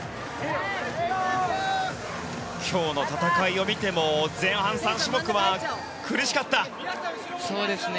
今日の戦いを見ても前半３種目は苦しかった。